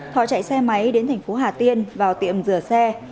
thọ chạy xe máy đến tp hà tiên vào tiệm rửa xe